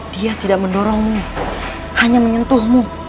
dia tidak mendorongmu hanya menyentuhmu